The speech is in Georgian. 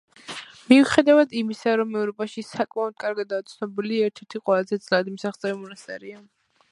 მიუხედავად იმისა, რომ ევროპაში ის საკმაოდ კარგადაა ცნობილი, ერთ-ერთი ყველაზე ძნელად მისაღწევი მონასტერია.